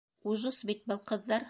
Ужас бит был, ҡыҙҙар!